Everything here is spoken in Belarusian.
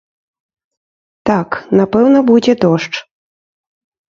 Так, напэўна, будзе дождж.